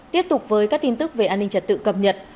tiếp tục với các tin tức về an ninh trật tự cập nhật